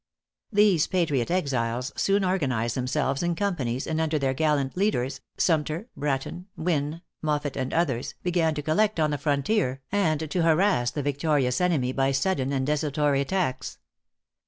These patriot exiles soon organized themselves in companies, and under their gallant leaders, Sumter, Bratton, Wynn, Moffit and others, began to collect on the frontier, and to harass the victorious enemy by sudden and desultory attacks.